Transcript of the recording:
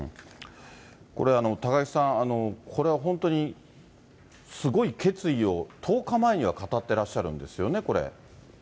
これ、高木さん、これは本当にすごい決意を、１０日前には語ってらっしゃるんですよね、これ。